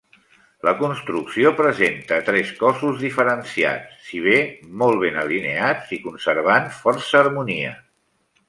La construcció presenta tres cossos diferenciats, si bé molt ben alineats i conservant força harmonia.